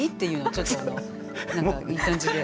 ちょっとあの何かいい感じで。